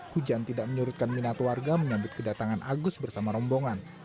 hujan tidak menyurutkan minat warga menyambut kedatangan agus bersama rombongan